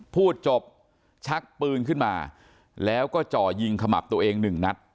พูดจบชักปืนขึ้นมาแล้วก็จ่อยิงขมับตัวเองหนึ่งนัด